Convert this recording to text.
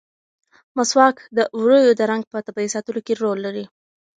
مسواک د ووریو د رنګ په طبیعي ساتلو کې رول لري.